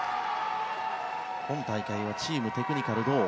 今大会はチームテクニカル、銅。